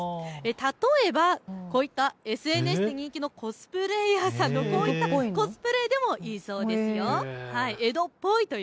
例えばこういったＳＮＳで人気のコスプレイヤーさん、こういったコスプレでもいいんですよ。